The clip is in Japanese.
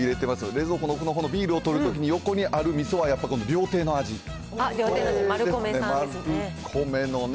冷蔵庫の奥のほうのビールを取るときに横にあるみそは、料亭の味、マルコメさんですね。